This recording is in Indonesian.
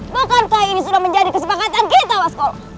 bukankah ini sudah menjadi kesepakatan kita waskolo